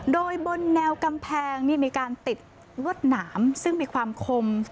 โดยบนแนวกำแพงนี่มีการติดลวดหนามซึ่งมีความคม